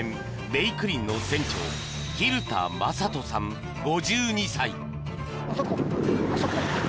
「べいくりん」の船長蛭田雅人さん、５２歳。